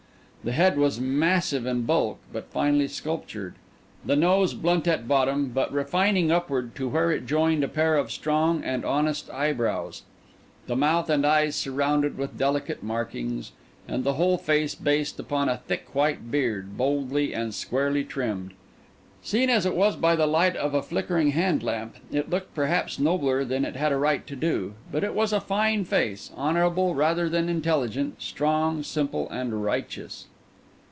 The head was massive in bulk, but finely sculptured; the nose blunt at the bottom, but refining upward to where it joined a pair of strong and honest eyebrows; the mouth and eyes surrounded with delicate markings, and the whole face based upon a thick white beard, boldly and squarely trimmed. Seen as it was by the light of a flickering hand lamp, it looked perhaps nobler than it had a right to do; but it was a fine face, honourable rather than intelligent, strong, simple, and righteous.